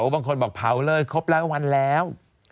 บางคนบอกเผาเลยครบแล้ววันแล้ว